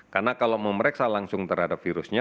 karena kalau memeriksa langsung terhadap virusnya